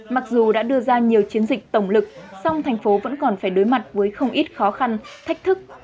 mặc dù đã đưa ra nhiều chiến dịch tổng lực song thành phố vẫn còn phải đối mặt với không ít khó khăn thách thức